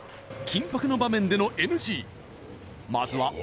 緊迫の場面でのＮＧまずはＯＫ